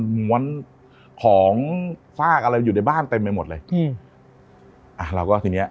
ม้วนของซากอะไรอยู่ในบ้านเต็มไปหมดเลยอืมอ่าแล้วก็ทีเนี้ย